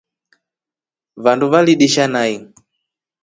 Vandu validisha nai.